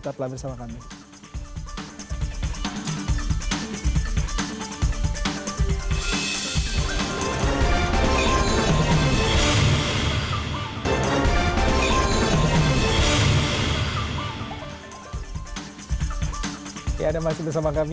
tepat lagi bersama kami